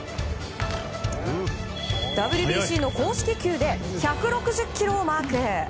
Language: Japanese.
ＷＢＣの公式球で１６０キロをマーク。